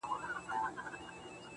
دعا ، دعا ، دعا ،دعا كومه.